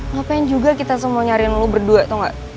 gak pengen juga kita semua nyariin lu berdua tau gak